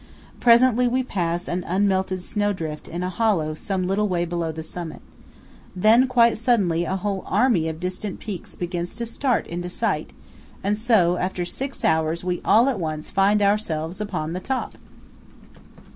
Presently we pass an unmelted snowdrift in a hollow some little way below the summit. Then, quite suddenly, a whole army of distant peaks begins to start into sight; and so, after six hours, we all at once find ourselves upon the top!